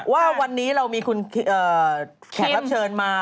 ว่าวันนี้เรามีแขกรับเชิญมา